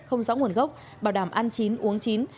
không rõ nguồn gốc bảo đảm ăn chín uống chín